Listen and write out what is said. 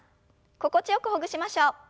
心地よくほぐしましょう。